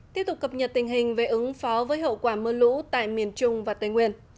tiếp tục cập nhật tình hình về ứng phó với hậu quả mưa lũ tại miền trung và tây nguyên